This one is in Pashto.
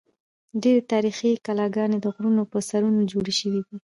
ډېری تاریخي کلاګانې د غرونو پر سرونو جوړې شوې دي.